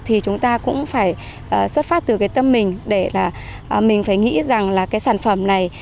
thì chúng ta cũng phải xuất phát từ cái tâm mình để là mình phải nghĩ rằng là cái sản phẩm này